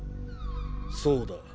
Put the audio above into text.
そうだ。